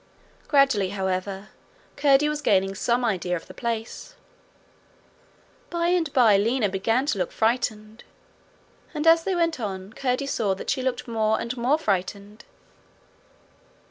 Gradually, however, Curdie was gaining some idea of the place. By and by Lina began to look frightened, and as they went on Curdie saw that she looked more and more frightened.